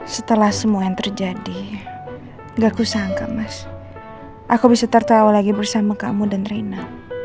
setelah semua yang terjadi gak kusangka mas aku bisa tertawa lagi bersama kamu dan reina